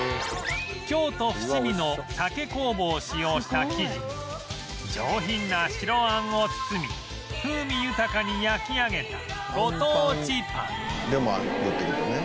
京都伏見の酒酵母を使用した生地に上品な白餡を包み風味豊かに焼き上げたご当地パン